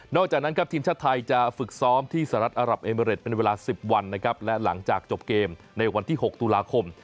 จากนั้นครับทีมชาติไทยจะฝึกซ้อมที่สหรัฐอารับเอเมริดเป็นเวลา๑๐วันนะครับและหลังจากจบเกมในวันที่๖ตุลาคม